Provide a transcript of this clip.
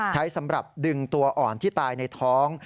ใช้สำหรับดึงตัวอ่อนที่ตายในท้อง